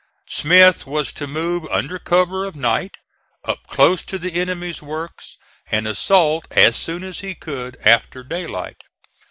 Smith was to move under cover of night, up close to the enemy's works, and assault as soon as he could after daylight.